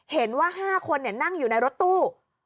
เห็นว่า๕คนนั่งอยู่ในรถตู้